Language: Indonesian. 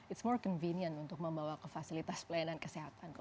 it's more convenient untuk membawa ke fasilitas pelayanan kesehatan